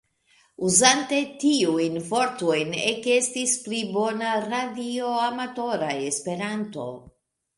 Uzante tiujn vortojn ekestis pli bona radioamatora Esperanto.